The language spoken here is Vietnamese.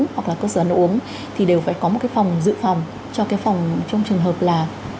hoặc là cơ sở đồ uống thì đều phải có một cái phòng dự phòng cho cái phòng trong trường hợp là